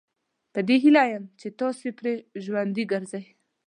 په دې هیله یم چې تاسي پرې ژوندي ګرځئ.